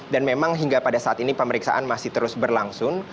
dan memang hingga pada saat ini pemeriksaan masih terus berlangsung